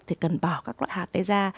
thì cần bỏ các loại hạt ấy ra